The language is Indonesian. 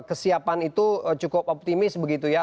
kesiapan itu cukup optimis begitu ya